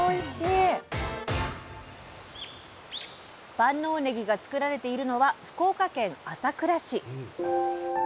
万能ねぎが作られているのは福岡県朝倉市。